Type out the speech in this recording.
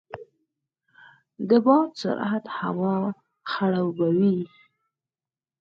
د باد سرعت هوا خړوبوي.